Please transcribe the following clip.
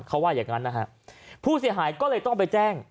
เขาว่าอย่างงั้นนะฮะผู้เสียหายก็เลยต้องไปแจ้ง